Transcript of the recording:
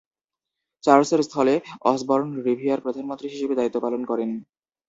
চার্লসের স্থলে অসবর্ন রিভিয়ার প্রধানমন্ত্রী হিসেবে দায়িত্ব পালন করেন।